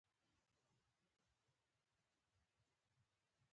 استاد د علم سفر ته ملګری کېږي.